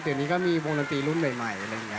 เดี๋ยวนี้ก็มีวงตัวรุ่นใหม่